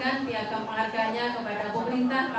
dan juga kepada pengadilan agama jember dan juga kemana ru